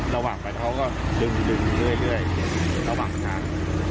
ระหว่างไปเขาก็ดึงเรื่อยระหว่างทาง